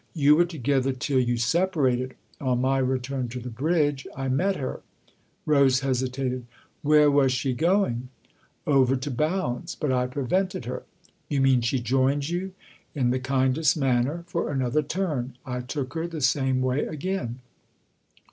"You were together till you separated. On my return to the bridge I met her." Rose hesitated. " Where was she going ?" THE OTHER HOUSE 279 " Over to Bounds but I prevented her." " You mean she joined you ?"" In the kindest manner for another turn. I took her the same way again."